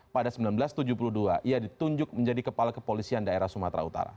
pada seribu sembilan ratus tujuh puluh dua ia ditunjuk menjadi kepala kepolisian daerah sumatera utara